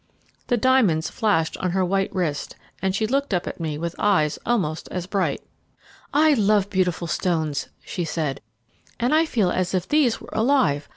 The diamonds flashed on her white wrist; she looked up at me with eyes almost as bright. "I love beautiful stones," she said, "and I feel as if these were alive.